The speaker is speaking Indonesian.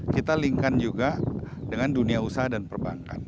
kita link kan juga dengan dunia usaha dan perbankan